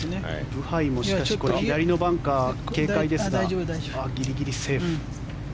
ブハイも左のバンカー警戒ですがギリギリセーフ。